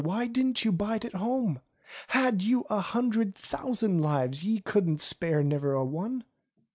Why didn't you bide at home ? Had you a hundred thousand lives, Ye couldn't spare ne'er a one